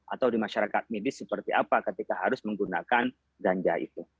atau di masyarakat medis seperti apa ketika harus menggunakan ganja itu